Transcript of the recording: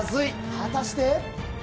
果たして。